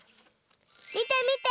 みてみて！